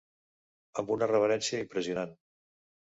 Amb una reverència impressionant.